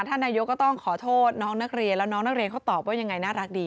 ท่านนายกก็ต้องขอโทษน้องนักเรียนแล้วน้องนักเรียนเขาตอบว่ายังไงน่ารักดี